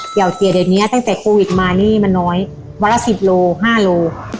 เกี่ยวเสียเดี๋ยวเนี้ยตั้งแต่โควิดมานี่มันน้อยวันละสิบโลห้าโล